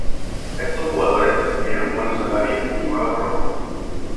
Estos jugadores recibieron buenos salarios y nuevas ropas.